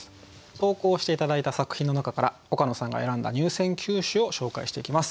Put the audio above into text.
投稿して頂いた作品の中から岡野さんが選んだ入選九首を紹介していきます。